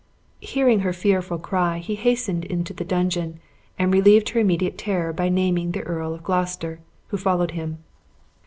Hearing her fearful cry, he hastened into the dungeon, and relieved her immediate terror by naming the Earl of Gloucester, who followed him.